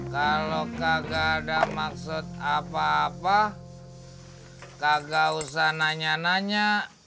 kalau kagak ada maksud apa apa kagak usah nanya nanya